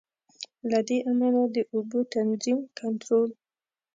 له دې امله د اوبو تنظیم، کنټرول.